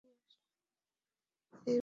আরে এই বান্টি কোথায় নিয়ে আসলো?